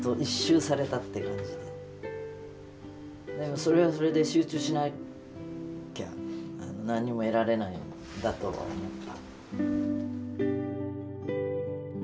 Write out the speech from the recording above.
でもそれはそれで集中しなきゃ何も得られないんだとは思った。